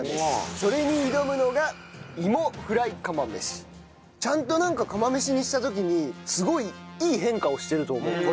それに挑むのがちゃんとなんか釜飯にした時にすごいいい変化をしてると思うこれ。